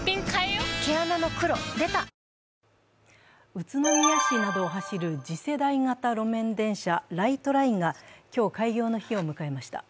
宇都宮市などを走る次世代型路面電車ライトラインが今日、開業の日を迎えました。